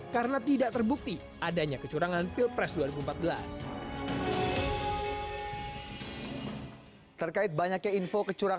karena tidak terbukti adanya kecurangan pilpres dua ribu empat belas